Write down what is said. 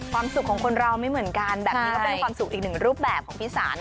ความสุขของคนเราไม่เหมือนกันแบบนี้ก็เป็นความสุขอีกหนึ่งรูปแบบของพี่สานะ